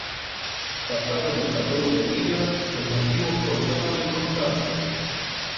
Pasados los catorce días los nativos cortaron el contacto.